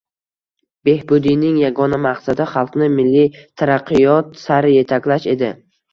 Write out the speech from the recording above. Behbudiyning yagona maqsadi xalqni milliy taraqqiyot sari yetaklash edi